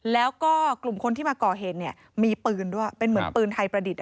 แล้วก็กลุ่มคนที่มาก่อเหตุมีปืนด้วยเป็นเหมือนปืนไทยประดิษฐ์